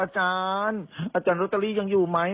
อาจารย์ยิ่งอยู่ไหม